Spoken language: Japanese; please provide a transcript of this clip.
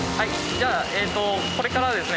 じゃあこれからですね